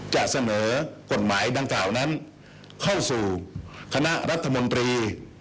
จะเสนอกฎหมายดังกล่าวนั้นเข้าสู่คณะรัฐมนตรี